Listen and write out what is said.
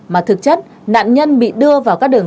mà thực chất nạn nhân bị đưa vào các đường